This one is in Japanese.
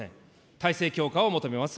体制強化を求めます。